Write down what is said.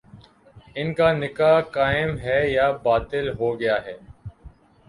ان کا نکاح قائم ہے یا باطل ہو گیا ہے؟